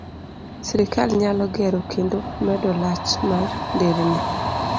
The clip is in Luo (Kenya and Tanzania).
Sirkal nyalo gero kendo medo lach mar nderni